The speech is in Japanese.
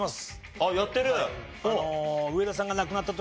あっやってる？